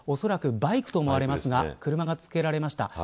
おそらくバイクと思われますが車がつけられました。